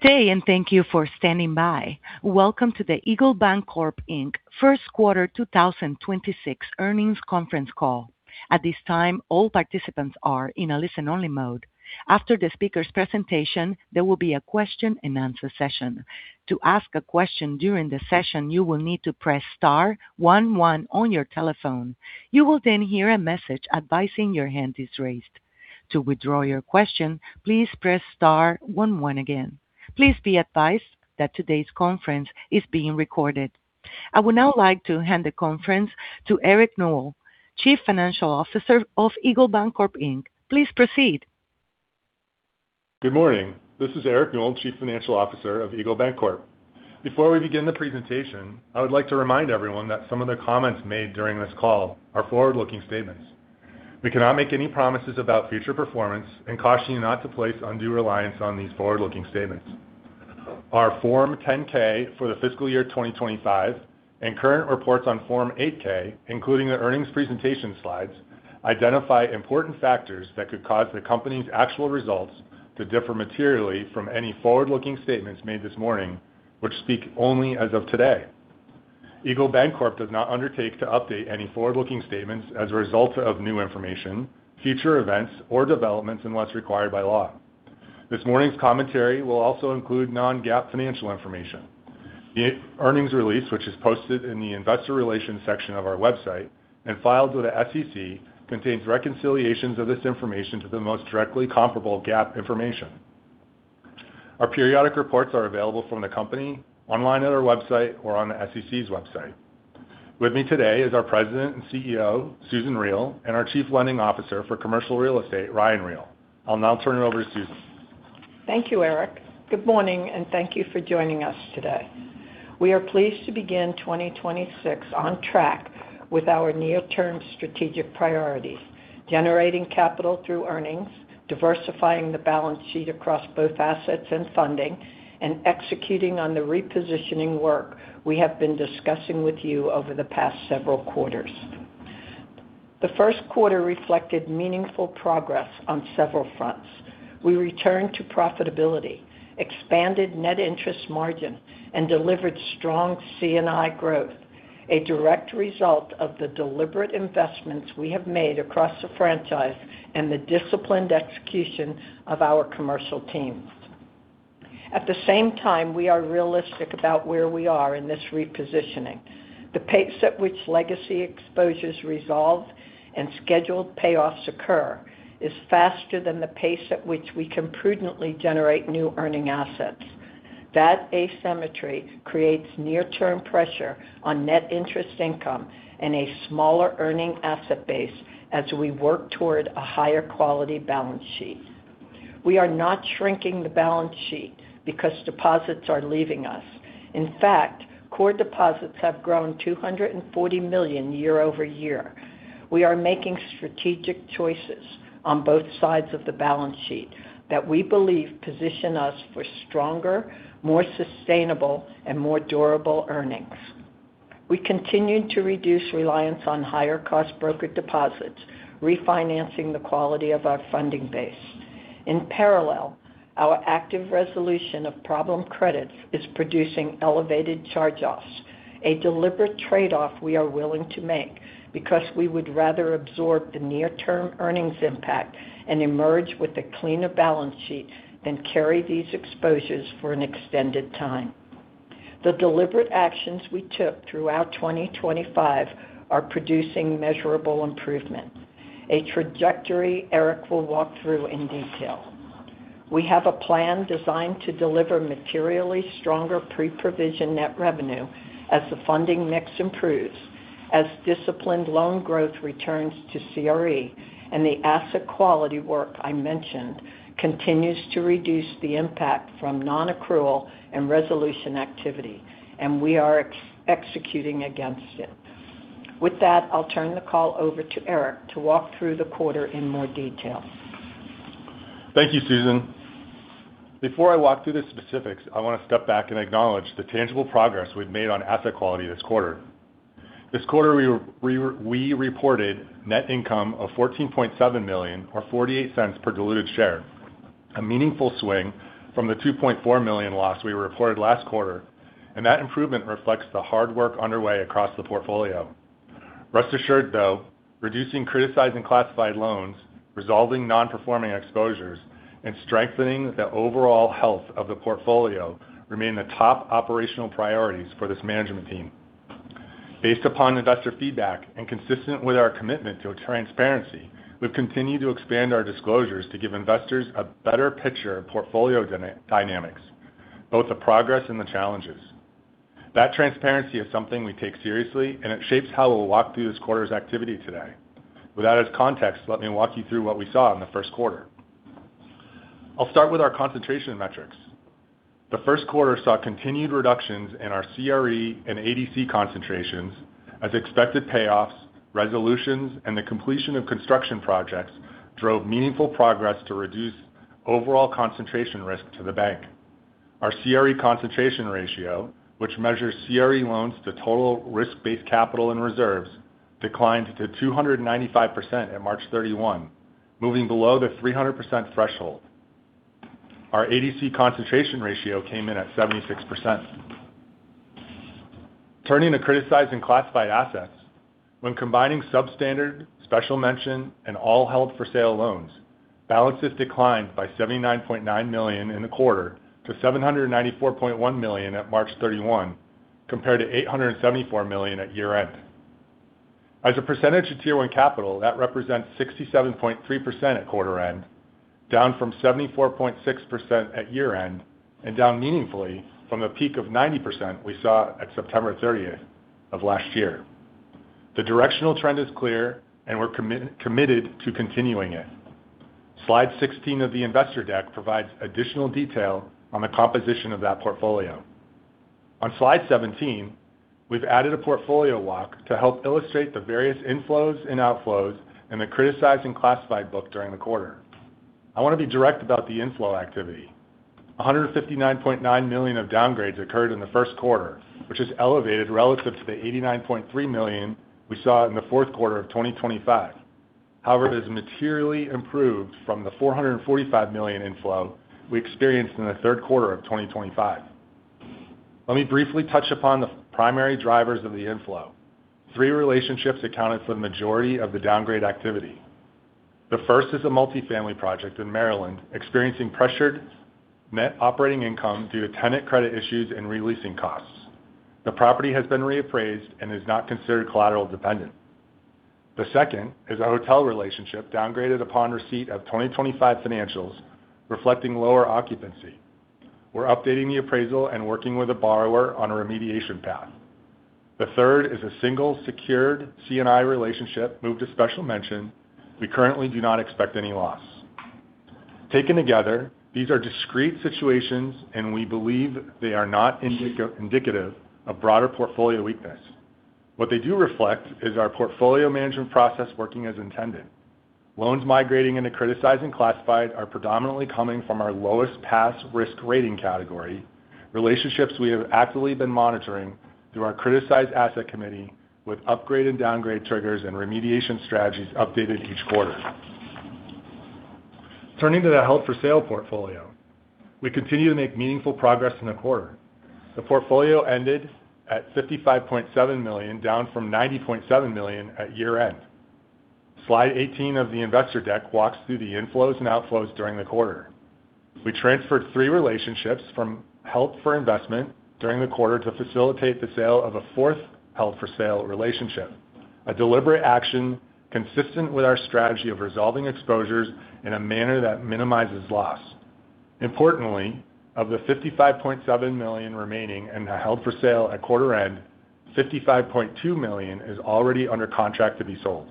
Good day, and thank you for standing by. Welcome to the Eagle Bancorp, Inc. First Quarter 2026 Earnings Conference Call. At this time, all participants are in a listen-only mode. After the speaker's presentation, there will be a question and answer session. To ask a question during the session, you will need to press star one one on your telephone. You will then hear a message advising your hand is raised. To withdraw your question, please press star one one again. Please be advised that today's conference is being recorded. I would now like to hand the conference to Eric Newell, Chief Financial Officer of Eagle Bancorp, Inc. Please proceed. Good morning. This is Eric Newell, Chief Financial Officer of Eagle Bancorp. Before we begin the presentation, I would like to remind everyone that some of the comments made during this call are forward-looking statements. We cannot make any promises about future performance and caution you not to place undue reliance on these forward-looking statements. Our Form 10-K for the fiscal year 2025 and current reports on Form 8-K, including the earnings presentation slides, identify important factors that could cause the company's actual results to differ materially from any forward-looking statements made this morning, which speak only as of today. Eagle Bancorp does not undertake to update any forward-looking statements as a result of new information, future events, or developments, unless required by law. This morning's commentary will also include non-GAAP financial information. The earnings release, which is posted in the Investor Relations section of our website and filed with the SEC, contains reconciliations of this information to the most directly comparable GAAP information. Our periodic reports are available from the company, online at our website or on the SEC's website. With me today is our President and CEO, Susan Riel, and our Chief Lending Officer for Commercial Real Estate, Ryan Riel. I'll now turn it over to Susan. Thank you, Eric. Good morning, and thank you for joining us today. We are pleased to begin 2026 on track with our near-term strategic priorities, generating capital through earnings, diversifying the balance sheet across both assets and funding, and executing on the repositioning work we have been discussing with you over the past several quarters. The first quarter reflected meaningful progress on several fronts. We returned to profitability, expanded net interest margin, and delivered strong C&I growth, a direct result of the deliberate investments we have made across the franchise and the disciplined execution of our commercial teams. At the same time, we are realistic about where we are in this repositioning. The pace at which legacy exposures resolve and scheduled payoffs occur is faster than the pace at which we can prudently generate new earning assets. That asymmetry creates near-term pressure on net interest income and a smaller earning asset base as we work toward a higher quality balance sheet. We are not shrinking the balance sheet because deposits are leaving us. In fact, core deposits have grown $240 million year-over-year. We are making strategic choices on both sides of the balance sheet that we believe position us for stronger, more sustainable, and more durable earnings. We continue to reduce reliance on higher-cost broker deposits, refining the quality of our funding base. In parallel, our active resolution of problem credits is producing elevated charge-offs, a deliberate trade-off we are willing to make because we would rather absorb the near-term earnings impact and emerge with a cleaner balance sheet than carry these exposures for an extended time. The deliberate actions we took throughout 2025 are producing measurable improvements, a trajectory Eric will walk through in detail. We have a plan designed to deliver materially stronger pre-provision net revenue as the funding mix improves, as disciplined loan growth returns to CRE, and the asset quality work I mentioned continues to reduce the impact from non-accrual and resolution activity, and we are executing against it. With that, I'll turn the call over to Eric to walk through the quarter in more detail. Thank you, Susan. Before I walk through the specifics, I want to step back and acknowledge the tangible progress we've made on asset quality this quarter. This quarter, we reported net income of $14.7 million or $0.48 per diluted share, a meaningful swing from the $2.4 million loss we reported last quarter, and that improvement reflects the hard work underway across the portfolio. Rest assured, though, reducing criticized and classified loans, resolving non-performing exposures, and strengthening the overall health of the portfolio remain the top operational priorities for this management team. Based upon investor feedback and consistent with our commitment to transparency, we've continued to expand our disclosures to give investors a better picture of portfolio dynamics, both the progress and the challenges. That transparency is something we take seriously, and it shapes how we'll walk through this quarter's activity today. With that as context, let me walk you through what we saw in the first quarter. I'll start with our concentration metrics. The first quarter saw continued reductions in our CRE and ADC concentrations as expected payoffs, resolutions, and the completion of construction projects drove meaningful progress to reduce overall concentration risk to the bank. Our CRE concentration ratio, which measures CRE loans to total risk-based capital and reserves, declined to 295% on March 31, moving below the 300% threshold. Our ADC concentration ratio came in at 76%. Turning to criticized and classified assets, when combining substandard, special mention, and all held for sale loans, balances declined by $79.9 million in the quarter to $794.1 million at March 31, compared to $874 million at year-end. As a percentage of Tier 1 capital, that represents 67.3% at quarter end, down from 74.6% at year-end and down meaningfully from the peak of 90% we saw at September 30th of last year. The directional trend is clear, and we're committed to continuing it. Slide 16 of the investor deck provides additional detail on the composition of that portfolio. On slide 17, we've added a portfolio walk to help illustrate the various inflows and outflows in the criticized and classified book during the quarter. I want to be direct about the inflow activity. $159.9 million of downgrades occurred in the first quarter, which is elevated relative to the $89.3 million we saw in the fourth quarter of 2025. However, it is materially improved from the $445 million inflow we experienced in the third quarter of 2025. Let me briefly touch upon the primary drivers of the inflow. Three relationships accounted for the majority of the downgrade activity. The first is a multifamily project in Maryland experiencing pressured net operating income due to tenant credit issues and re-leasing costs. The property has been reappraised and is not considered collateral dependent. The second is a hotel relationship downgraded upon receipt of 2025 financials reflecting lower occupancy. We're updating the appraisal and working with the borrower on a remediation path. The third is a single secured C&I relationship moved to special mention. We currently do not expect any loss. Taken together, these are discrete situations, and we believe they are not indicative of broader portfolio weakness. What they do reflect is our portfolio management process working as intended. Loans migrating into criticized and classified are predominantly coming from our lowest past risk rating category, relationships we have actively been monitoring through our criticized asset committee, with upgrade and downgrade triggers and remediation strategies updated each quarter. Turning to the held for sale portfolio. We continue to make meaningful progress in the quarter. The portfolio ended at $55.7 million, down from $90.7 million at year-end. Slide 18 of the investor deck walks through the inflows and outflows during the quarter. We transferred three relationships from held for investment during the quarter to facilitate the sale of a fourth held for sale relationship, a deliberate action consistent with our strategy of resolving exposures in a manner that minimizes loss. Importantly, of the $55.7 million remaining and held for sale at quarter end, $55.2 million is already under contract to be sold.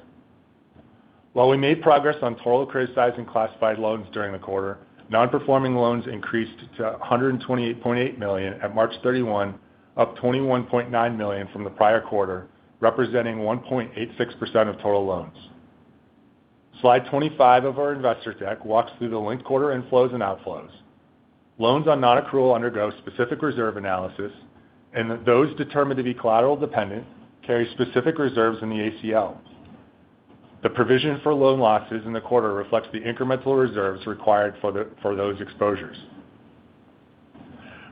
While we made progress on total criticized and classified loans during the quarter, non-performing loans increased to $128.8 million at March 31, up $21.9 million from the prior quarter, representing 1.86% of total loans. Slide 25 of our investor deck walks through the linked quarter inflows and outflows. Loans on non-accrual undergo specific reserve analysis and those determined to be collateral dependent carry specific reserves in the ACL. The provision for loan losses in the quarter reflects the incremental reserves required for those exposures.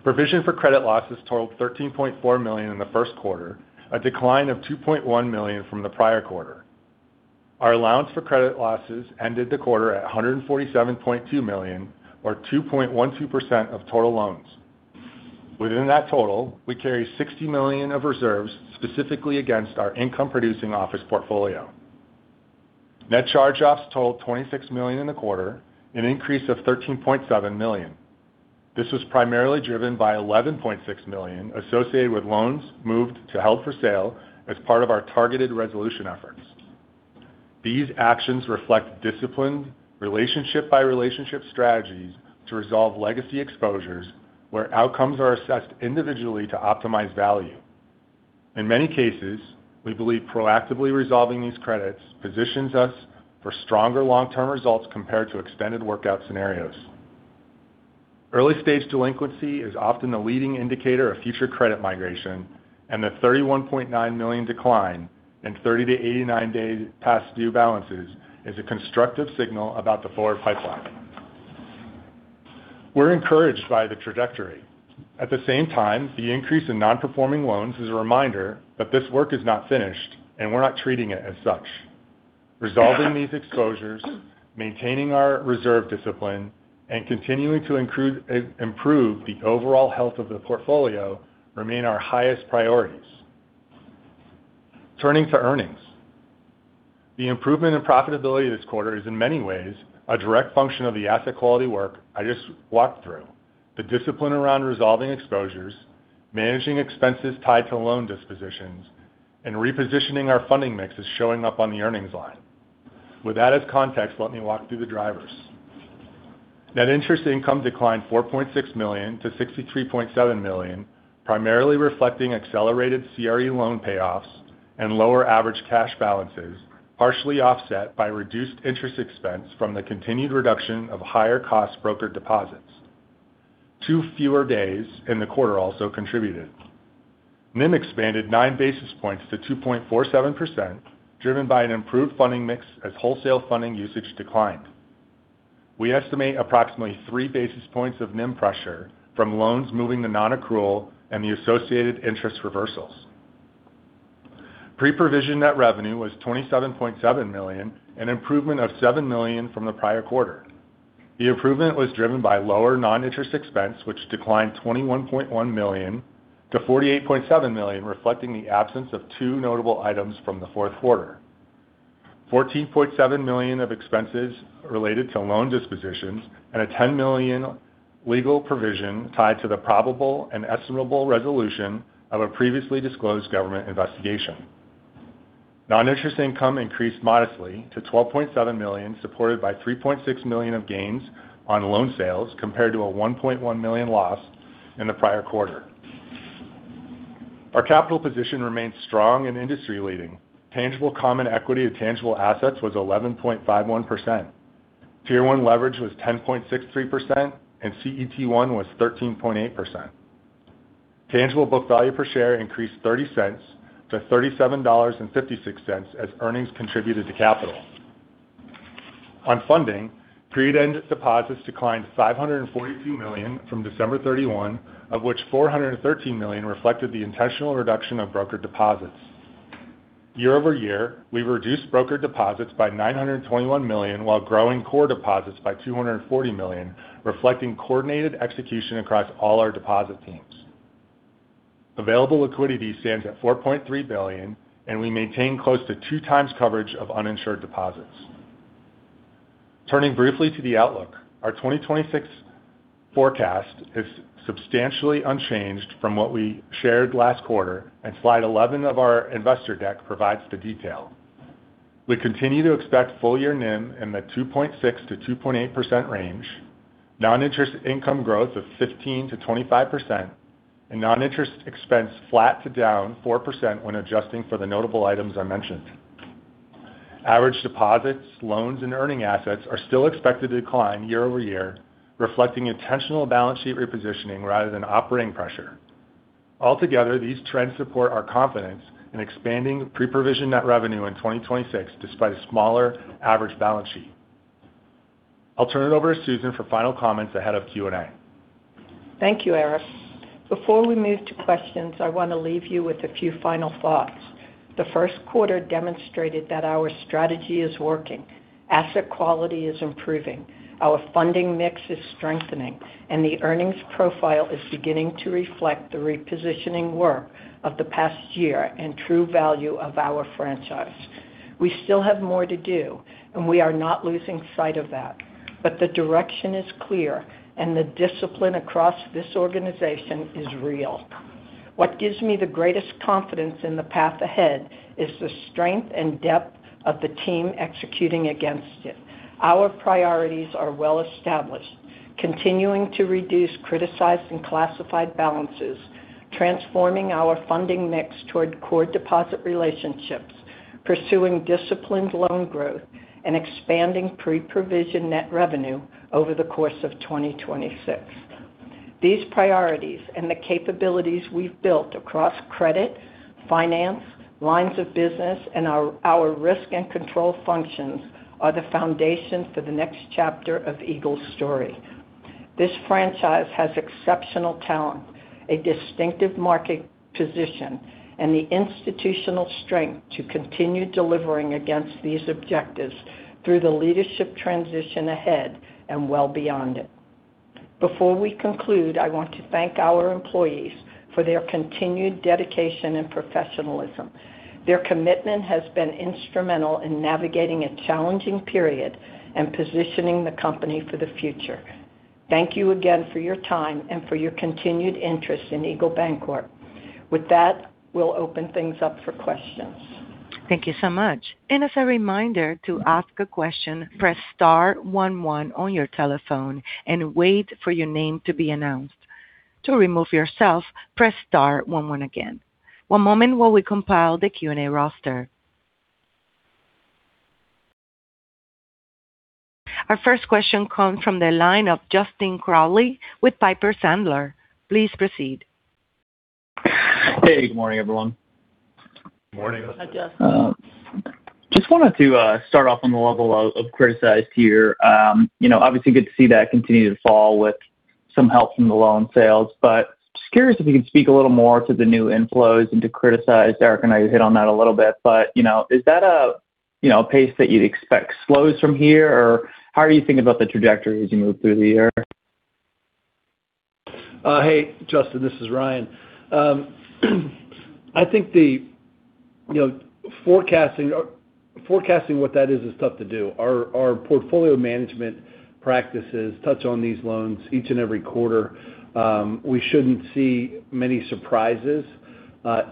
Provision for credit losses totaled $13.4 million in the first quarter, a decline of $2.1 million from the prior quarter. Our allowance for credit losses ended the quarter at $147.2 million, or 2.12% of total loans. Within that total, we carry $60 million of reserves specifically against our income-producing office portfolio. Net charge-offs totaled $26 million in the quarter, an increase of $13.7 million. This was primarily driven by $11.6 million associated with loans moved to held for sale as part of our targeted resolution efforts. These actions reflect disciplined, relationship-by-relationship strategies to resolve legacy exposures, where outcomes are assessed individually to optimize value. In many cases, we believe proactively resolving these credits positions us for stronger long-term results compared to extended workout scenarios. Early-stage delinquency is often a leading indicator of future credit migration, and the $31.9 million decline in 30-89 day past due balances is a constructive signal about the forward pipeline. We're encouraged by the trajectory. At the same time, the increase in non-performing loans is a reminder that this work is not finished, and we're not treating it as such. Resolving these exposures, maintaining our reserve discipline, and continuing to improve the overall health of the portfolio remain our highest priorities. Turning to earnings. The improvement in profitability this quarter is in many ways a direct function of the asset quality work I just walked through. The discipline around resolving exposures, managing expenses tied to loan dispositions, and repositioning our funding mix is showing up on the earnings line. With that as context, let me walk through the drivers. Net interest income declined $4.6 million to $63.7 million, primarily reflecting accelerated CRE loan payoffs and lower average cash balances, partially offset by reduced interest expense from the continued reduction of higher-cost brokered deposits. Two fewer days in the quarter also contributed. NIM expanded nine basis points to 2.47%, driven by an improved funding mix as wholesale funding usage declined. We estimate approximately three basis points of NIM pressure from loans moving to non-accrual and the associated interest reversals. Pre-provision net revenue was $27.7 million, an improvement of $7 million from the prior quarter. The improvement was driven by lower non-interest expense, which declined $21.1 million to $48.7 million, reflecting the absence of two notable items from the fourth quarter, $14.7 million of expenses related to loan dispositions and a $10 million legal provision tied to the probable and estimable resolution of a previously disclosed government investigation. Non-interest income increased modestly to $12.7 million, supported by $3.6 million of gains on loan sales, compared to a $1.1 million loss in the prior quarter. Our capital position remains strong and industry-leading. Tangible common equity to tangible assets was 11.51%. Tier 1 leverage was 10.63%, and CET1 was 13.8%. Tangible book value per share increased $0.30-$37.56 as earnings contributed to capital. On funding, period-end deposits declined $542 million from December 31, of which $413 million reflected the intentional reduction of broker deposits. Year-over-year, we've reduced broker deposits by $921 million while growing core deposits by $240 million, reflecting coordinated execution across all our deposit teams. Available liquidity stands at $4.3 billion, and we maintain close to 2x coverage of uninsured deposits. Turning briefly to the outlook, our 2026 forecast is substantially unchanged from what we shared last quarter, and slide 11 of our investor deck provides the detail. We continue to expect full-year NIM in the 2.6%-2.8% range, non-interest income growth of 15%-25%, and non-interest expense flat to down 4% when adjusting for the notable items I mentioned. Average deposits, loans, and earning assets are still expected to decline year-over-year, reflecting intentional balance sheet repositioning rather than operating pressure. Altogether, these trends support our confidence in expanding pre-provision net revenue in 2026, despite a smaller average balance sheet. I'll turn it over to Susan for final comments ahead of Q&A. Thank you, Eric. Before we move to questions, I want to leave you with a few final thoughts. The first quarter demonstrated that our strategy is working, asset quality is improving, our funding mix is strengthening, and the earnings profile is beginning to reflect the repositioning work of the past year and true value of our franchise. We still have more to do, and we are not losing sight of that, but the direction is clear and the discipline across this organization is real. What gives me the greatest confidence in the path ahead is the strength and depth of the team executing against it. Our priorities are well established, continuing to reduce criticized and classified balances, transforming our funding mix toward core deposit relationships, pursuing disciplined loan growth, and expanding pre-provision net revenue over the course of 2026. These priorities and the capabilities we've built across credit, finance, lines of business, and our risk and control functions are the foundation for the next chapter of Eagle's story. This franchise has exceptional talent, a distinctive market position, and the institutional strength to continue delivering against these objectives through the leadership transition ahead and well beyond it. Before we conclude, I want to thank our employees for their continued dedication and professionalism. Their commitment has been instrumental in navigating a challenging period and positioning the company for the future. Thank you again for your time and for your continued interest in Eagle Bancorp. With that, we'll open things up for questions. Thank you so much. As a reminder, to ask a question, press star one one on your telephone and wait for your name to be announced. To remove yourself, press star one one again. One moment while we compile the Q&A roster. Our first question comes from the line of Justin Crowley with Piper Sandler. Please proceed. Hey, good morning, everyone. Morning. Hi, Justin. Just wanted to start off on the level of criticized here. Obviously, good to see that continue to fall with some help from the loan sales, but just curious if you could speak a little more to the new inflows into criticized. Eric and I hit on that a little bit, but is that a pace that you'd expect slows from here? Or how are you thinking about the trajectory as you move through the year? Hey, Justin, this is Ryan. I think forecasting what that is is tough to do. Our portfolio management practices touch on these loans each and every quarter. We shouldn't see many surprises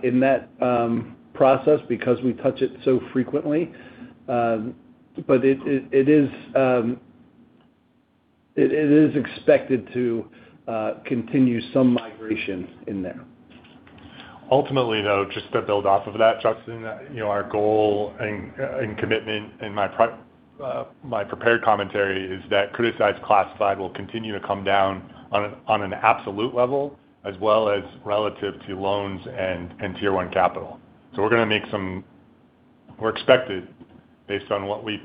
in that process because we touch it so frequently. It is expected to continue some migration in there. Ultimately though, just to build off of that, Justin, our goal and commitment in my prepared commentary is that criticized classified will continue to come down on an absolute level as well as relative to loans and Tier 1 capital. We're expected, based on what we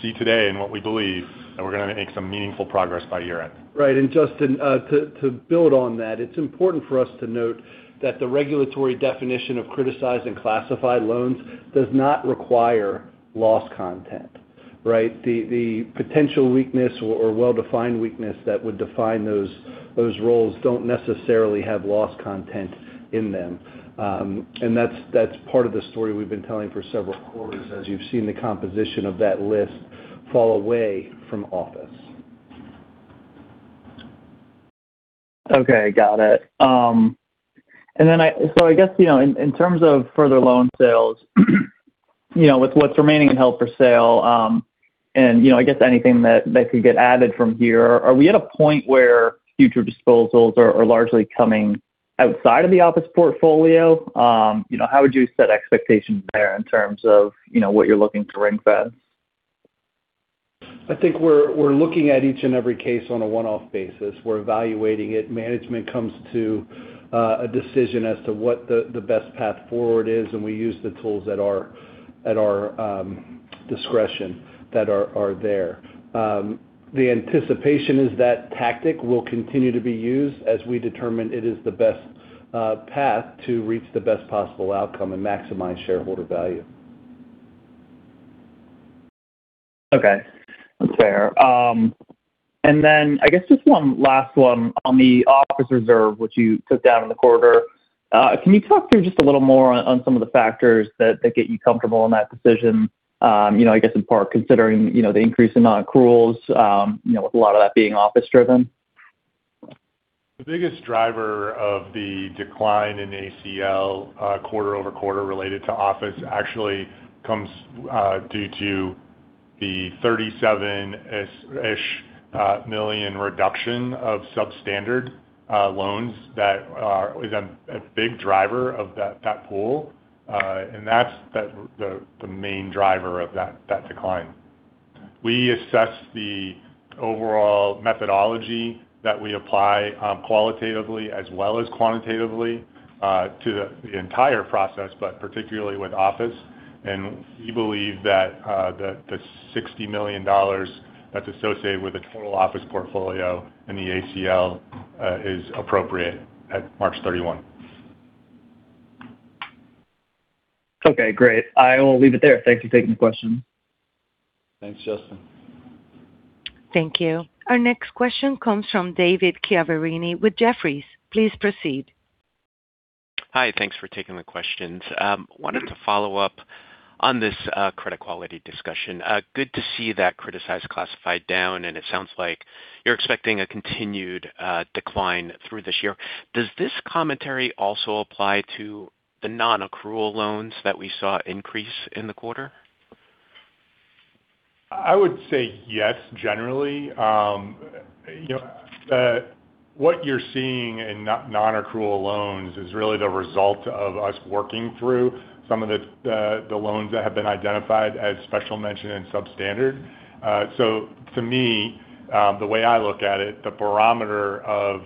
see today and what we believe, that we're going to make some meaningful progress by year-end. Right. Justin, to build on that, it's important for us to note that the regulatory definition of criticized and classified loans does not require loss content, right? The potential weakness or well-defined weakness that would define those loans don't necessarily have loss content in them. That's part of the story we've been telling for several quarters as you've seen the composition of that list fall away from office. Okay. Got it. I guess, in terms of further loan sales with what's remaining in held for sale, and I guess anything that could get added from here. Are we at a point where future disposals are largely coming outside of the office portfolio? How would you set expectations there in terms of what you're looking to ring-fence? I think we're looking at each and every case on a one-off basis. We're evaluating it. Management comes to a decision as to what the best path forward is, and we use the tools at our discretion that are there. The anticipation is that tactic will continue to be used as we determine it is the best path to reach the best possible outcome and maximize shareholder value. Okay. That's fair. I guess just one last one on the office reserve, which you took down in the quarter. Can you talk through just a little more on some of the factors that get you comfortable in that decision? I guess in part, considering the increase in non-accruals, with a lot of that being office-driven. The biggest driver of the decline in ACL quarter-over-quarter related to office actually comes due to the $37-ish million reduction of substandard loans that was a big driver of that pool. That's the main driver of that decline. We assess the overall methodology that we apply qualitatively as well as quantitatively, to the entire process, but particularly with office. We believe that the $60 million that's associated with the total office portfolio in the ACL is appropriate at March 31. Okay, great. I will leave it there. Thank you for taking the question. Thanks, Justin. Thank you. Our next question comes from David Chiaverini with Jefferies. Please proceed. Hi. Thanks for taking the questions. Wanted to follow up on this credit quality discussion. Good to see that criticized and classified down, and it sounds like you're expecting a continued decline through this year. Does this commentary also apply to the non-accrual loans that we saw increase in the quarter? I would say yes, generally. What you're seeing in non-accrual loans is really the result of us working through some of the loans that have been identified as special mention and substandard. To me, the way I look at it, the barometer of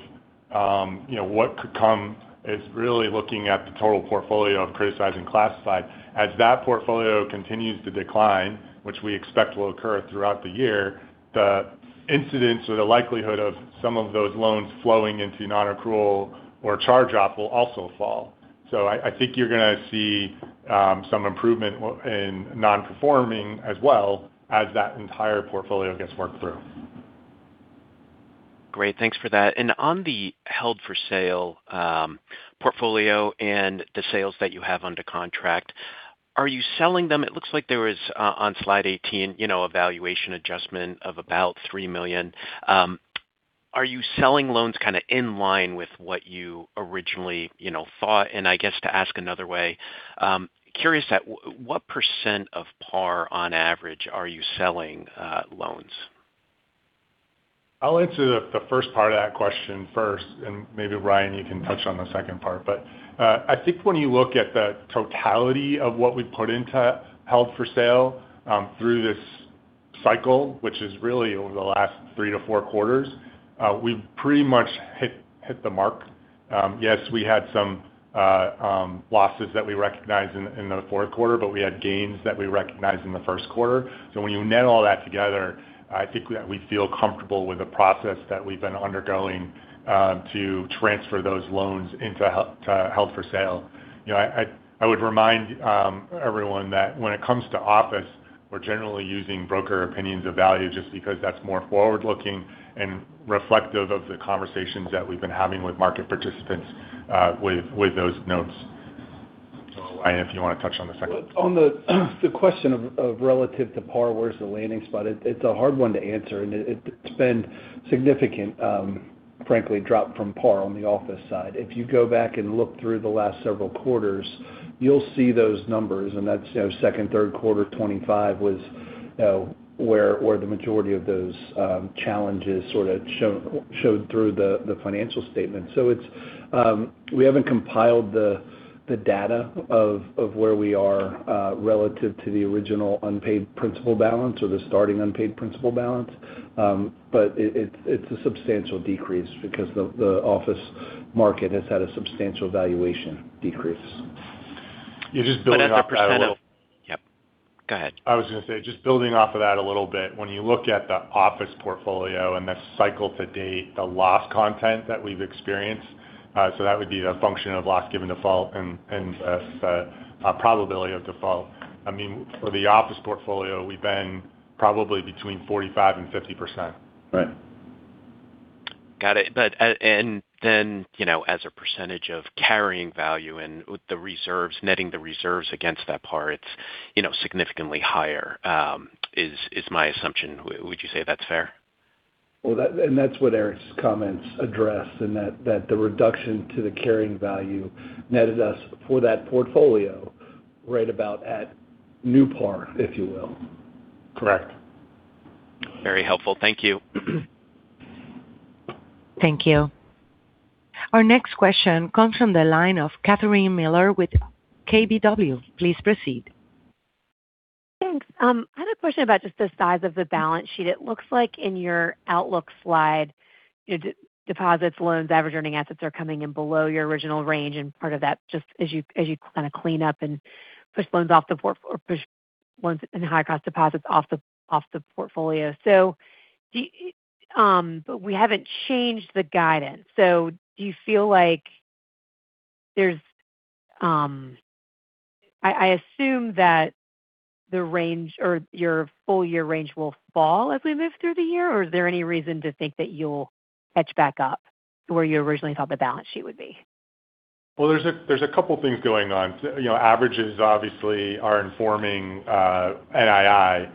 what could come is really looking at the total portfolio of criticized and classified. As that portfolio continues to decline, which we expect will occur throughout the year, the incidence or the likelihood of some of those loans flowing into non-accrual or charge-off will also fall. I think you're going to see some improvement in non-performing as well as that entire portfolio gets worked through. Great. Thanks for that. On the held for sale portfolio and the sales that you have under contract, are you selling them? It looks like there was, on slide 18, a valuation adjustment of about $3 million. Are you selling loans kind of in line with what you originally thought? I guess to ask another way, curious at what percent of par, on average, are you selling loans? I'll answer the first part of that question first, and maybe Ryan, you can touch on the second part. I think when you look at the totality of what we've put into held for sale through this cycle, which is really over the last three to four quarters, we've pretty much hit the mark. Yes, we had some losses that we recognized in the fourth quarter, but we had gains that we recognized in the first quarter. When you net all that together, I think we feel comfortable with the process that we've been undergoing to transfer those loans into held for sale. I would remind everyone that when it comes to office, we're generally using Broker Opinion of Value just because that's more forward-looking and reflective of the conversations that we've been having with market participants with those notes. Ryan, if you want to touch on the second. On the question of relative to par, where's the landing spot? It's a hard one to answer, and it's been a significant, frankly, drop from par on the office side. If you go back and look through the last several quarters, you'll see those numbers, and that's second, third quarter 2025 was where the majority of those challenges sort of showed through the financial statement. We haven't compiled the data of where we are relative to the original unpaid principal balance or the starting unpaid principal balance. It's a substantial decrease because the office market has had a substantial valuation decrease. You're just building off that a little. As a percent of. Yeah. Go ahead. I was going to say, just building off of that a little bit, when you look at the office portfolio and the cycle to date, the loss content that we've experienced, so that would be a function of loss given default and probability of default. I mean, for the office portfolio, we've been probably between 45% and 50%. Right. Got it. As a percentage of carrying value and with the reserves, netting the reserves against that part, it's significantly higher, is my assumption. Would you say that's fair? Well, that's what Eric's comments address, and that the reduction to the carrying value netted us for that portfolio right about at new par, if you will. Correct. Very helpful. Thank you. Thank you. Our next question comes from the line of Catherine Mealor with KBW. Please proceed. Thanks. I have a question about just the size of the balance sheet. It looks like in your outlook slide, deposits, loans, average earning assets are coming in below your original range. Part of that just as you kind of clean up or push loans and high-cost deposits off the portfolio. But we haven't changed the guidance. Do you feel like there's I assume that the range or your full-year range will fall as we move through the year, or is there any reason to think that you'll catch back up to where you originally thought the balance sheet would be? Well, there's a couple of things going on. Averages obviously are informing NII,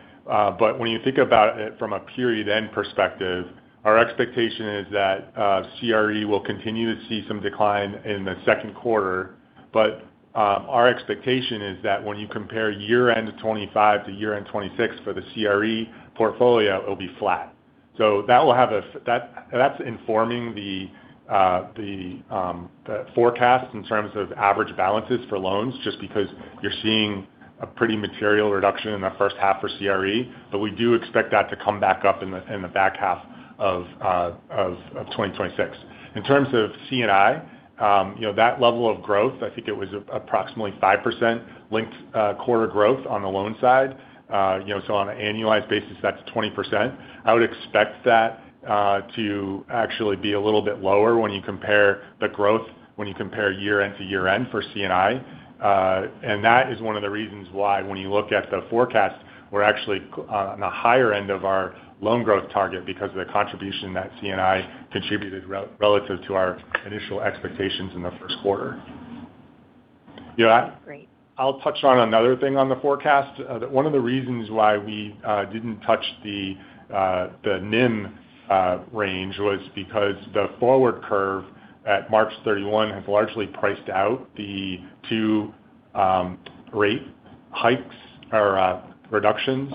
but when you think about it from a period-end perspective, our expectation is that CRE will continue to see some decline in the second quarter. Our expectation is that when you compare year-end 2025 to year-end 2026 for the CRE portfolio, it'll be flat. That's informing the forecast in terms of average balances for loans, just because you're seeing a pretty material reduction in the first half for CRE. We do expect that to come back up in the back half of 2026. In terms of C&I, that level of growth, I think it was approximately 5% linked quarter growth on the loan side. On an annualized basis, that's 20%. I would expect that to actually be a little bit lower when you compare the growth, when you compare year-end to year-end for C&I. That is one of the reasons why when you look at the forecast, we're actually on the higher end of our loan growth target because of the contribution that C&I contributed relative to our initial expectations in the first quarter. Great. I'll touch on another thing on the forecast. One of the reasons why we didn't touch the NIM range was because the forward curve at March 31 has largely priced out the two rate hikes or reductions,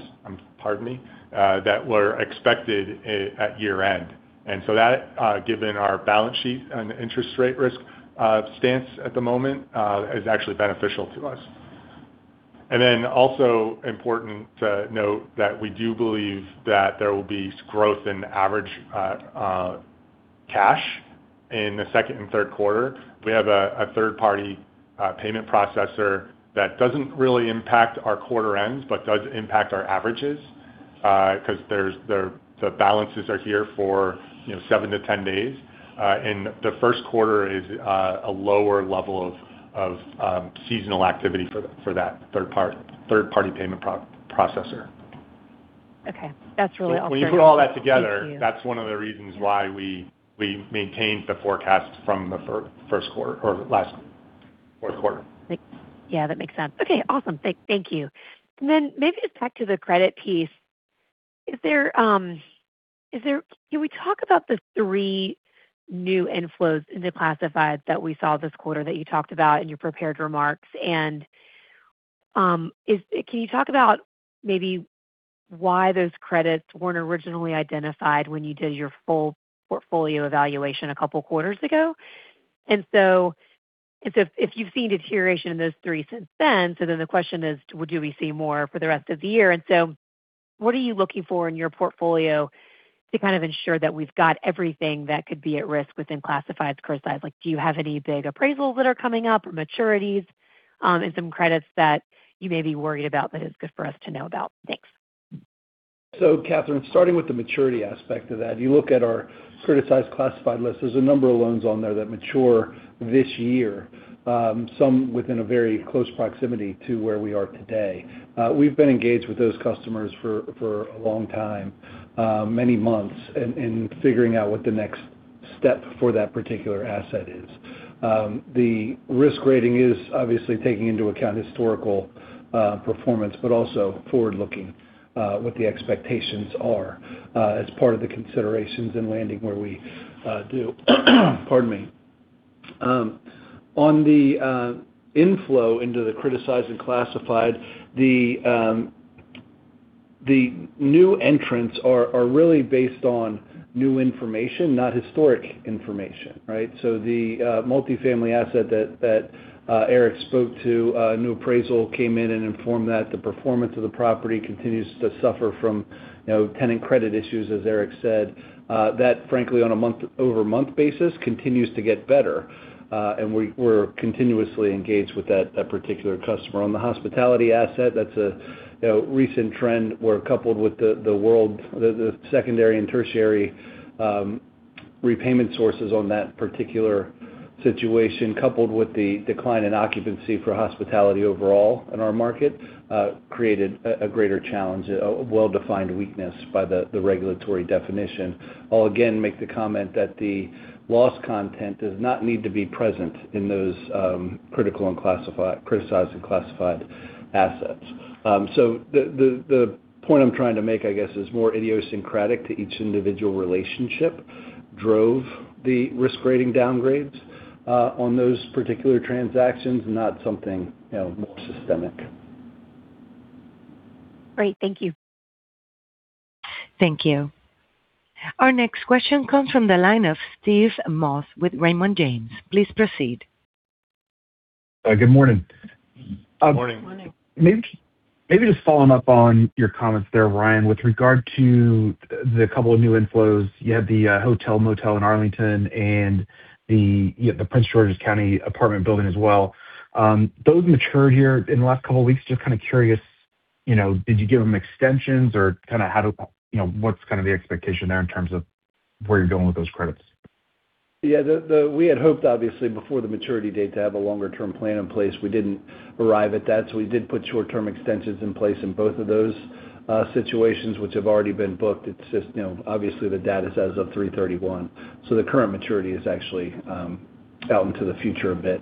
pardon me, that were expected at year-end. That, given our balance sheet and interest rate risk stance at the moment, is actually beneficial to us. Also important to note that we do believe that there will be growth in average cash in the second and third quarter. We have a third-party payment processor that doesn't really impact our quarter ends, but does impact our averages because the balances are here for seven to 10 days. The first quarter is a lower level of seasonal activity for that third-party payment processor. Okay. That's really all. Thank you. When you put all that together, that's one of the reasons why we maintained the forecast from the first quarter or last fourth quarter. Yeah, that makes sense. Okay, awesome. Thank you. Then maybe it's back to the credit piece. Can we talk about the three new inflows in the classified that we saw this quarter that you talked about in your prepared remarks? Can you talk about maybe why those credits weren't originally identified when you did your full portfolio evaluation a couple quarters ago? If you've seen deterioration in those three since then, so then the question is, do we see more for the rest of the year? What are you looking for in your portfolio to kind of ensure that we've got everything that could be at risk within classifieds criticized? Like do you have any big appraisals that are coming up or maturities, and some credits that you may be worried about that is good for us to know about? Thanks. Catherine, starting with the maturity aspect of that, you look at our criticized and classified list, there's a number of loans on there that mature this year, some within a very close proximity to where we are today. We've been engaged with those customers for a long time, many months in figuring out what the next step for that particular asset is. The risk rating is obviously taking into account historical performance, but also forward-looking, what the expectations are, as part of the considerations in landing where we do. Pardon me. On the inflow into the criticized and classified, the new entrants are really based on new information, not historic information. Right? The multifamily asset that Eric spoke to, a new appraisal came in and informed that the performance of the property continues to suffer from tenant credit issues, as Eric said. That frankly, on a month-over-month basis, continues to get better. We're continuously engaged with that particular customer. On the hospitality asset, that's a recent trend where, coupled with the world, the secondary and tertiary repayment sources on that particular situation, coupled with the decline in occupancy for hospitality overall in our market, created a greater challenge, a well-defined weakness by the regulatory definition. I'll again make the comment that the loss content does not need to be present in those criticized and classified assets. The point I'm trying to make, I guess, is more idiosyncratic to each individual relationship drove the risk rating downgrades on those particular transactions, not something more systemic. Great. Thank you. Thank you. Our next question comes from the line of Steve Moss with Raymond James. Please proceed. Good morning. Good morning. Good morning. Maybe just following up on your comments there, Ryan. With regard to the couple of new inflows, you had the hotel/motel in Arlington and the Prince George's County apartment building as well. Those matured here in the last couple of weeks. Just kind of curious, did you give them extensions or what's the expectation there in terms of where you're going with those credits? Yeah. We had hoped, obviously, before the maturity date to have a longer-term plan in place. We didn't arrive at that, so we did put short-term extensions in place in both of those situations, which have already been booked. It's just obviously the data as of 3/31. The current maturity is actually out into the future a bit.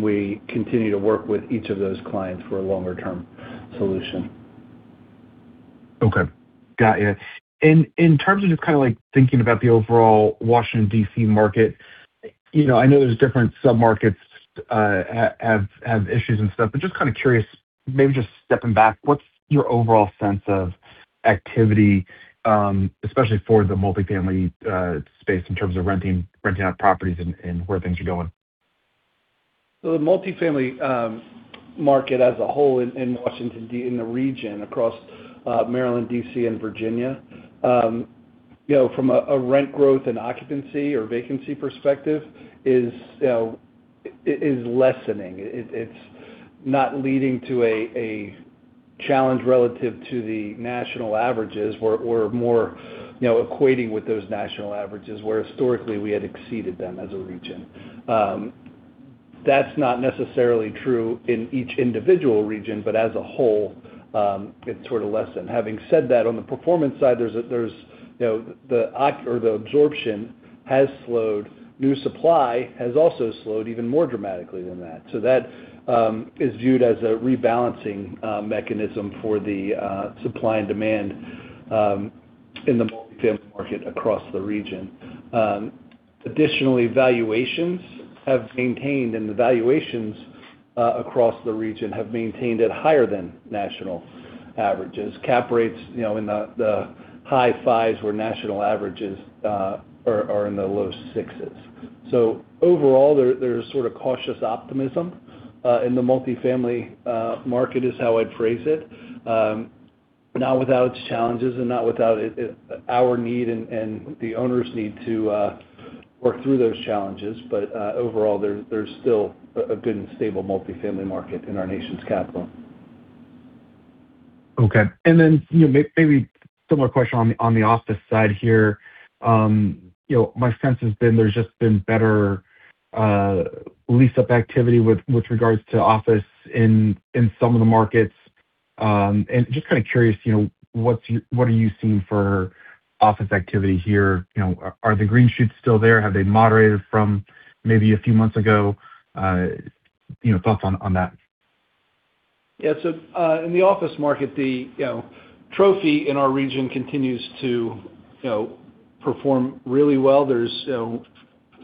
We continue to work with each of those clients for a longer-term solution. Okay. Got you. In terms of just thinking about the overall Washington, D.C. market, I know there's different sub-markets have issues and stuff, but just kind of curious, maybe just stepping back, what's your overall sense of activity, especially for the multifamily space in terms of renting out properties and where things are going? The multifamily market as a whole in Washington, D.C., in the region across Maryland, D.C., and Virginia, from a rent growth and occupancy or vacancy perspective is lessening. It's not leading to a challenge relative to the national averages. We're more equating with those national averages, where historically we had exceeded them as a region. That's not necessarily true in each individual region, but as a whole, it's sort of lessened. Having said that, on the performance side, the absorption has slowed. New supply has also slowed even more dramatically than that. That is viewed as a rebalancing mechanism for the supply and demand in the multifamily market across the region. Additionally, valuations have maintained, and the valuations across the region have maintained at higher than national averages. Cap rates in the high fives, where national averages are in the low sixes. Overall, there's sort of cautious optimism in the multifamily market is how I'd phrase it. Not without its challenges and not without our need and the owners' need to work through those challenges. Overall, there's still a good and stable multifamily market in our nation's capital. Okay. Maybe a similar question on the office side here. My sense has been there's just been better lease-up activity with regards to office in some of the markets. Just kind of curious, what are you seeing for office activity here? Are the green shoots still there? Have they moderated from maybe a few months ago? Thoughts on that. Yeah. In the office market, the Trophy in our region continues to perform really well. There's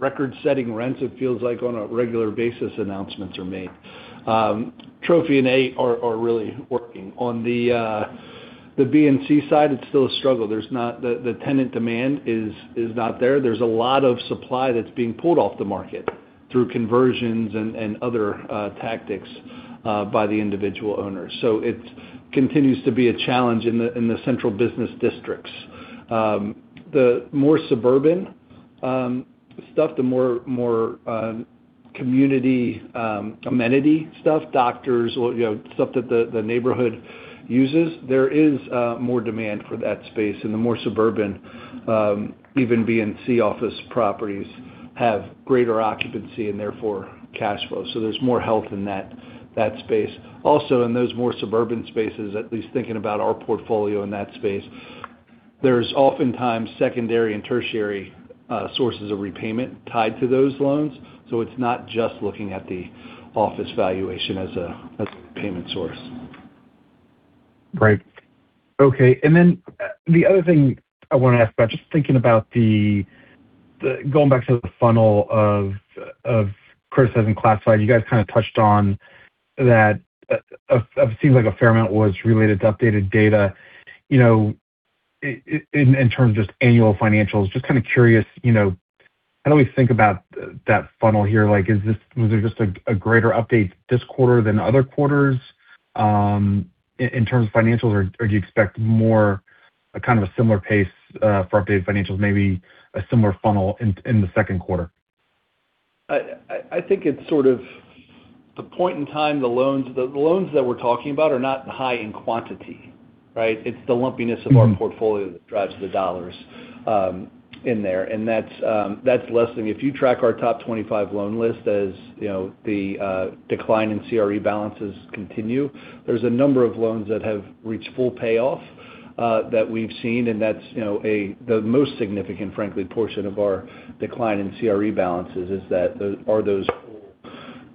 record-setting rents, it feels like on a regular basis announcements are made. Trophy and A are really working. On the B and C side, it's still a struggle. The tenant demand is not there. There's a lot of supply that's being pulled off the market through conversions and other tactics by the individual owners. It continues to be a challenge in the central business districts. The more suburban stuff, the more community amenity stuff, doctors, stuff that the neighborhood uses, there is more demand for that space. The more suburban, even B and C office properties have greater occupancy and therefore cash flow. There's more health in that space. Also, in those more suburban spaces, at least thinking about our portfolio in that space. There's oftentimes secondary and tertiary sources of repayment tied to those loans, so it's not just looking at the office valuation as a payment source. Right. Okay. Then the other thing I want to ask about, just thinking about going back to the funnel of criticized classified, you guys kind of touched on that. It seems like a fair amount was related to updated data, in terms of just annual financials. Just kind of curious, how do we think about that funnel here? Was there just a greater update this quarter than other quarters in terms of financials, or do you expect more of a kind of a similar pace for updated financials, maybe a similar funnel in the second quarter? I think it's sort of the point in time, the loans that we're talking about are not high in quantity, right? It's the lumpiness of our portfolio that drives the dollars in there. That's less than if you track our top 25 loan list as the decline in CRE balances continue. There's a number of loans that have reached full payoff that we've seen, and that's the most significant, frankly, portion of our decline in CRE balances is that are those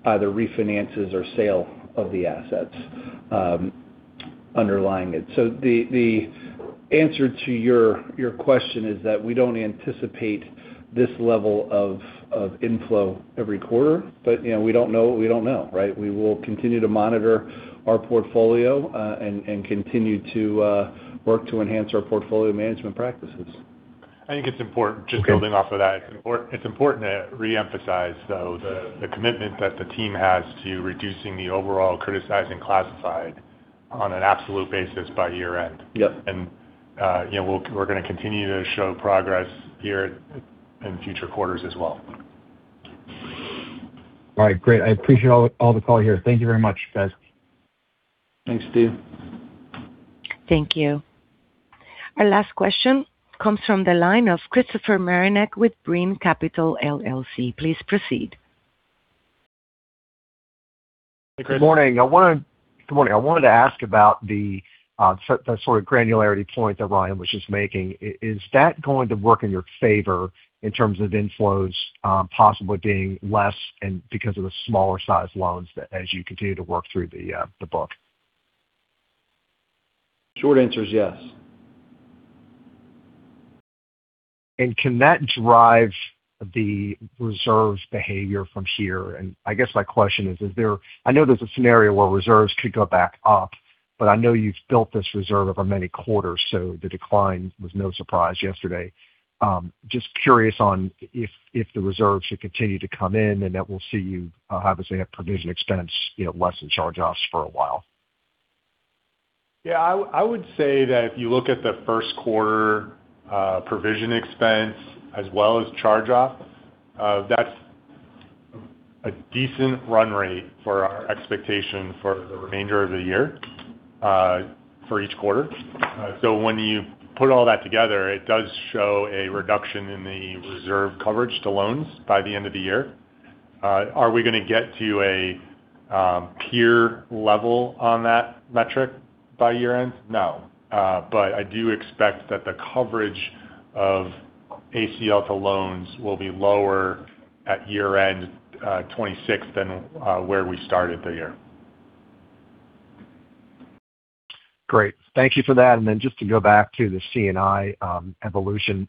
either refinances or sale of the assets underlying it. The answer to your question is that we don't anticipate this level of inflow every quarter, but we don't know what we don't know, right? We will continue to monitor our portfolio and continue to work to enhance our portfolio management practices. I think it's important, just building off of that, it's important to reemphasize, though, the commitment that the team has to reducing the overall criticized and classified on an absolute basis by year-end. Yep. We're going to continue to show progress here in future quarters as well. All right, great. I appreciate all the call here. Thank you very much, guys. Thanks, Steve. Thank you. Our last question comes from the line of Christopher Marinac with Brean Capital, LLC. Please proceed. Good morning. I wanted to ask about the sort of granularity point that Ryan was just making. Is that going to work in your favor in terms of inflows possibly being less and because of the smaller size loans as you continue to work through the book? Short answer is yes. Can that drive the reserves behavior from here? I guess my question is, I know there's a scenario where reserves could go back up, but I know you've built this reserve over many quarters, so the decline was no surprise yesterday. Just curious on if the reserves should continue to come in and that we'll see you obviously have provision expense less than charge-offs for a while. Yeah, I would say that if you look at the first quarter provision expense as well as charge-off, that's a decent run rate for our expectation for the remainder of the year for each quarter. When you put all that together, it does show a reduction in the reserve coverage to loans by the end of the year. Are we going to get to a peer level on that metric by year-end? No. I do expect that the coverage of ACL to loans will be lower at year-end 2026 than where we started the year. Great. Thank you for that. Just to go back to the C&I evolution,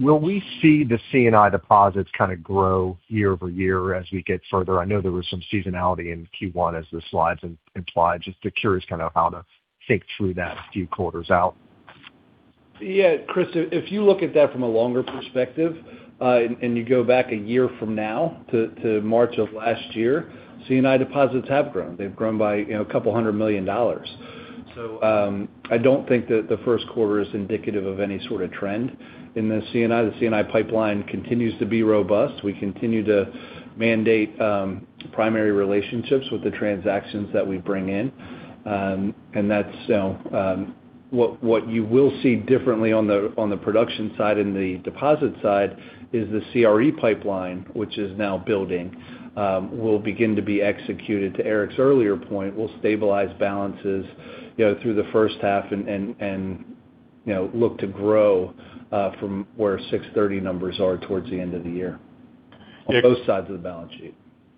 will we see the C&I deposits kind of grow year-over-year as we get further? I know there was some seasonality in Q1 as the slides implied, just curious kind of how to think through that a few quarters out? Yeah, Chris, if you look at that from a longer perspective, and you go back a year from now to March of last year, C&I deposits have grown. They've grown by couple hundred million dollars. I don't think that the first quarter is indicative of any sort of trend in the C&I. The C&I pipeline continues to be robust. We continue to mandate primary relationships with the transactions that we bring in. What you will see differently on the production side and the deposit side is the CRE pipeline, which is now building, will begin to be executed. To Eric's earlier point, we'll stabilize balances through the first half and look to grow from where 6/30 numbers are towards the end of the year on both sides of the balance sheet.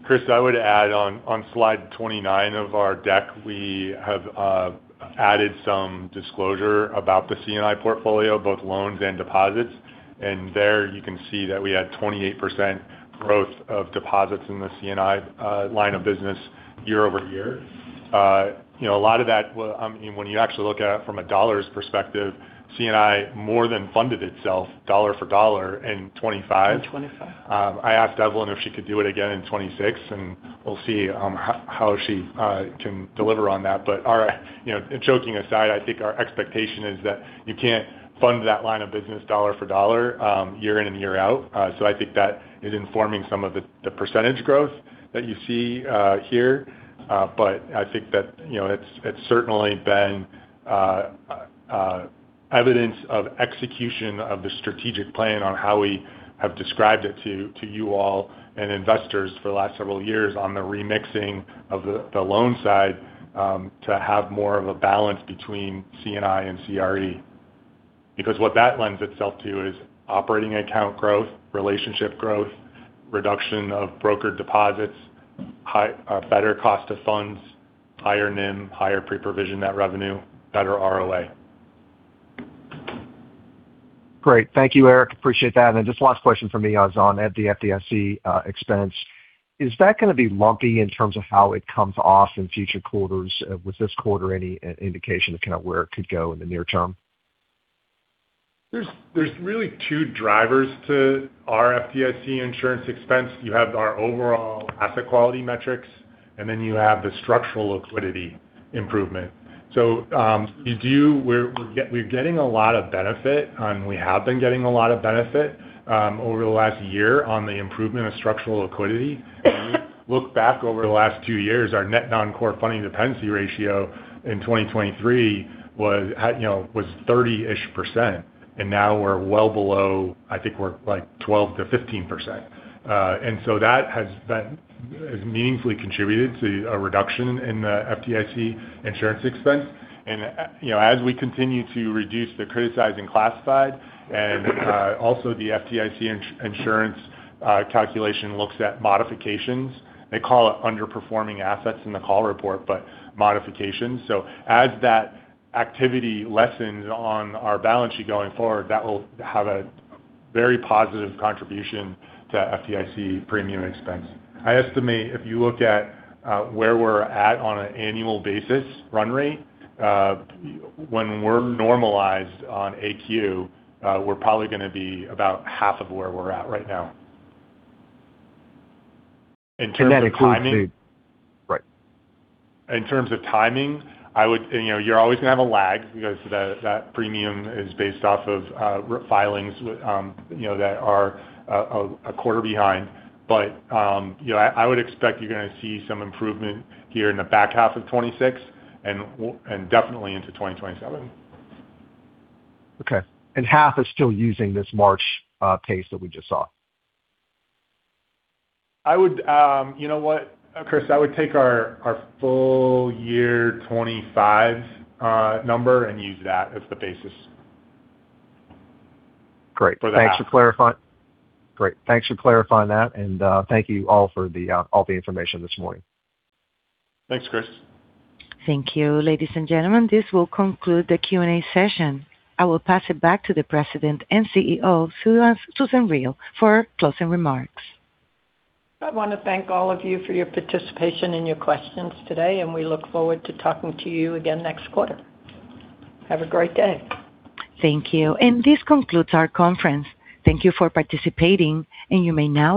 Chris, I would add on slide 29 of our deck, we have added some disclosure about the C&I portfolio, both loans and deposits. There you can see that we had 28% growth of deposits in the C&I line of business year-over-year. A lot of that, when you actually look at it from a dollars perspective, C&I more than funded itself dollar for dollar in 2025. In 2025. I asked Evelyn if she could do it again in 2026, and we'll see how she can deliver on that. Joking aside, I think our expectation is that you can't fund that line of business dollar for dollar year in and year out. I think that is informing some of the percentage growth that you see here. I think that it's certainly been evidence of execution of the strategic plan on how we have described it to you all and investors for the last several years on the remixing of the loan side to have more of a balance between C&I and CRE. What that lends itself to is operating account growth, relationship growth, reduction of broker deposits, better cost of funds, higher NIM, higher pre-provision net revenue, better ROA. Great. Thank you, Eric. Appreciate that. Just last question from me is on the FDIC expense. Is that going to be lumpy in terms of how it comes off in future quarters? Was this quarter any indication of kind of where it could go in the near term? There's really two drivers to our FDIC insurance expense. You have our overall asset quality metrics, and then you have the structural liquidity improvement. We're getting a lot of benefit, and we have been getting a lot of benefit over the last year on the improvement of structural liquidity. Look back over the last two years, our Net non-core funding dependency ratio in 2023 was 30-ish%, and now we're well below. I think we're 12%-15%. That has meaningfully contributed to a reduction in the FDIC insurance expense. As we continue to reduce the criticized and classified, and also the FDIC insurance calculation looks at modifications. They call it underperforming assets in the call report, but modifications. As that activity lessens on our balance sheet going forward, that will have a very positive contribution to FDIC premium expense. I estimate if you look at where we're at on an annual basis run rate, when we're normalized on AQ, we're probably going to be about half of where we're at right now. That includes the right. In terms of timing, you're always going to have a lag because that premium is based off of filings that are a quarter behind. I would expect you're going to see some improvement here in the back half of 2026 and definitely into 2027. Okay. Half is still using this March pace that we just saw. You know what, Chris? I would take our full year 2025 number and use that as the basis. Great. For that. Thanks for clarifying that. Thank you all for all the information this morning. Thanks, Chris. Thank you. Ladies and gentlemen, this will conclude the Q&A session. I will pass it back to the President and Chief Executive Officer, Susan Riel, for closing remarks. I want to thank all of you for your participation and your questions today, and we look forward to talking to you again next quarter. Have a great day. Thank you. This concludes our conference. Thank you for participating, and you may now disconnect.